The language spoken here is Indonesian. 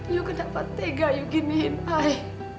you kenapa tega you giniin ai